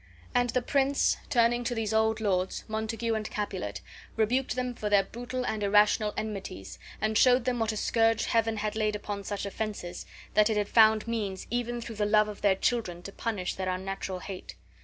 And the prince, turning to these old lords, Montague and Capulet, rebuked them for their brutal and irrational enmities, and showed them what a scourge Heaven had laid upon such offenses, that it had found means even through the love of their children to punish their unnatural hate.